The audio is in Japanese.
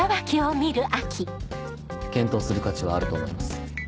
検討する価値はあると思います。